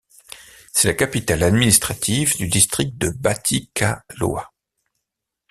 C'est la capitale administrative du district de Batticaloa.